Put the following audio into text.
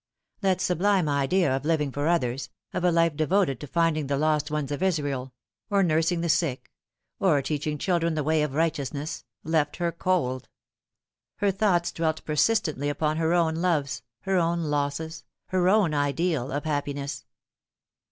That sublime idea of living for others, of a life devoted to find ing the lost ones of Israel or nursing the sick or teaching children the way of righteousness left her cold. Her thoughts dwelt persistently upon her own loves, her own losses, her own. ideal of happiness.